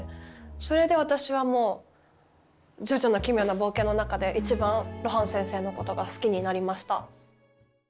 それで私はもう「ジョジョの奇妙な冒険」の中で一番露伴先生のことが好きになりました。